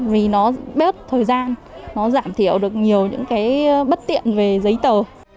vì nó bớt thời gian nó giảm thiểu được nhiều những cái bất tiện về giấy tờ